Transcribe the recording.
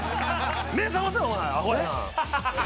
目覚ませお前アホやな。